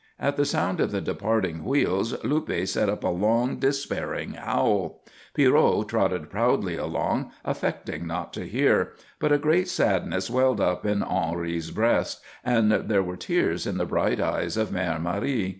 At the sound of the departing wheels Luppe set up a long, despairing howl. Pierrot trotted proudly along, affecting not to hear, but a great sadness welled up in Henri's breast, and there were tears in the bright eyes of Mère Marie.